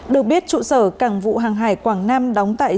được biết trụ sở cảng vụ hàng hải quảng nam đóng tại